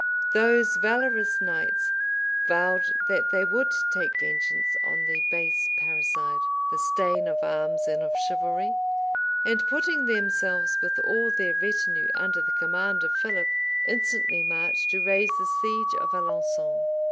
Those valorous knights vowed that they would take vengeance on the base parricide, the stain of arms and of chivalry; and putting themselves, with all their retinue, under the command of Philip, instantly marched to raise the siege of Alençon.